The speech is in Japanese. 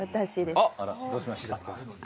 あらどうしました？